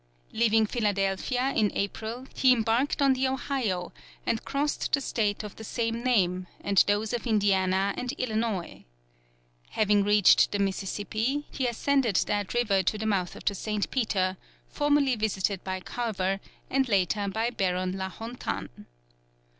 Leaving Philadelphia in April, he embarked on the Ohio, and crossed the state of the same name, and those of Indiana and Illinois. Having reached the Mississippi, he ascended that river to the mouth of the St. Peter, formerly visited by Carver, and later by Baron La Hontan.